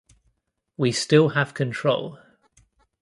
We still have control.